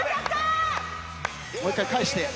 もう１回返して。